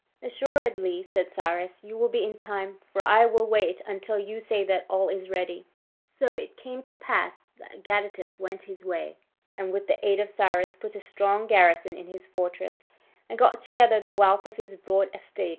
"Assuredly," said Cyrus, "you will be in time: for I will wait until you say that all is ready." So it came to pass that Gadatas went his way, and with the aid of Cyrus put a strong garrison in his fortress, and got together the wealth of his broad estates.